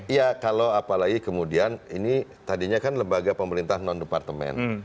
iya kalau apalagi kemudian ini tadinya kan lembaga pemerintah non departemen